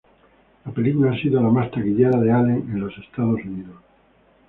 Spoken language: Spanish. La película ha sido la más taquillera de Allen en los Estados Unidos.